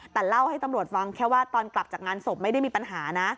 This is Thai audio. แต่เล่าให้ตำรวจฟังแค่ว่าตอนกลับจากงานศพไม่ได้มีปัญหานะ